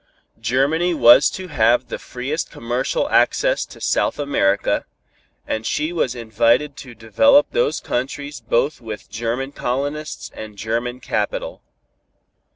Germany was to have the freest commercial access to South America, and she was invited to develop those countries both with German colonists and German capital.